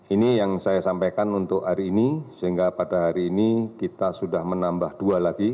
ini yang saya sampaikan untuk hari ini sehingga pada hari ini kita sudah menambah dua lagi